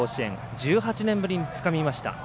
１８年ぶりにつかみました。